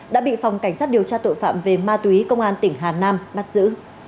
đã bị phòng cảnh sát điều tra tội phạm về ma túy công an tỉnh hà nam bắt giữ